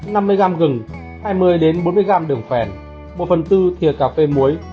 nguồn liệu gồm một quả chanh hai ba cây xả năm mươi g gừng hai mươi bốn mươi g đường phèn một phần tư thịa cà phê muối